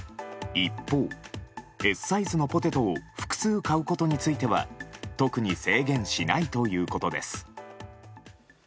一方、Ｓサイズのポテトを複数買うことについては特に制限しないということです。